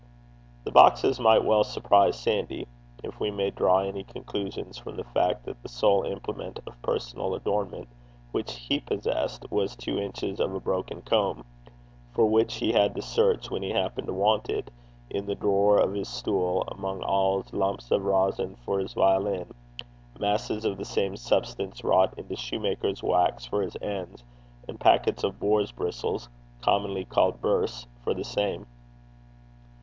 The boxes might well surprise Sandy, if we may draw any conclusions from the fact that the sole implement of personal adornment which he possessed was two inches of a broken comb, for which he had to search when he happened to want it, in the drawer of his stool, among awls, lumps of rosin for his violin, masses of the same substance wrought into shoemaker's wax for his ends, and packets of boar's bristles, commonly called birse, for the same.